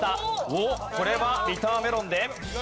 おっこれはビターメロンで。